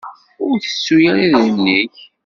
Ur tettu ara idrimen-ik.